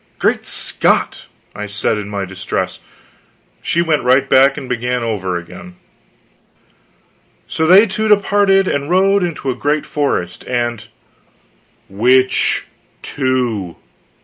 "Great Scott!" I said in my distress. She went right back and began over again: "So they two departed and rode into a great forest. And " "Which two?"